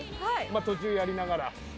途中やりながら。